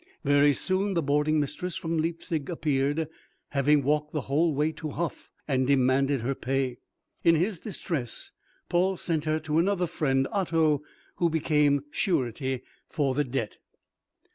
Very soon the boarding mistress from Leipzig appeared, having walked the whole way to Hof, and demanded her pay. In his distress Paul sent her to another friend, Otto, who became surety for the debt.